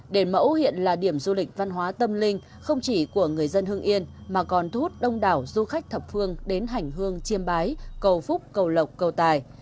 đền mẫu hiện là điểm du lịch văn hóa tâm linh không chỉ của người dân hương yên mà còn thu hút đông đảo du khách thập phương đến hành hương chiêm bái cầu phúc cầu lộc cầu tài